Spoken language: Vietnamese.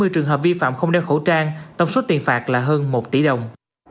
năm trăm bảy mươi trường hợp vi phạm không đeo khẩu trang tổng số tiền phạt là hơn một tỷ đồng